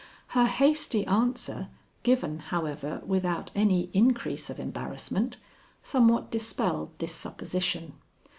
Her hasty answer, given, however, without any increase of embarrassment, somewhat dispelled this supposition.